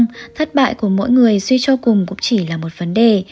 nhưng thất bại của mỗi người suy cho cùng cũng chỉ là một vấn đề